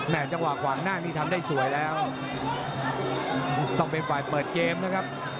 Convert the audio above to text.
จังหวะขวางหน้านี่ทำได้สวยแล้วต้องเป็นฝ่ายเปิดเกมนะครับ